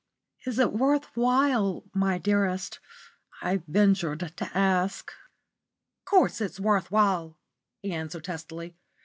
"Is it worth while, my dearest?" I ventured to ask. "Of course it's worth while," he answered testily.